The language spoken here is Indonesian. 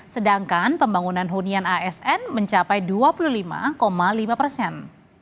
sedangkan pembangunan hunian asn mencapai dua puluh lima lima persen